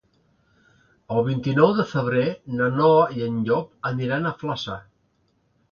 El vint-i-nou de febrer na Noa i en Llop aniran a Flaçà.